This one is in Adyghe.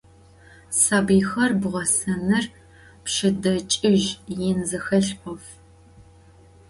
Sabıyxer bğesenır pşsedeç'ıj yin zıxelh 'of.